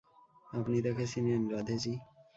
আপনি তাকে চিনেন, রাধে জি?